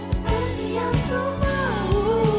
seperti yang kau mau